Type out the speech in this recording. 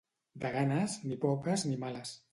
De ganes, ni poques ni males.